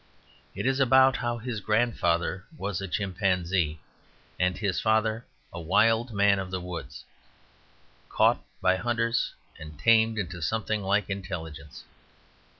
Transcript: It is about how his grandfather was a chimpanzee and his father a wild man of the woods, caught by hunters and tamed into something like intelligence.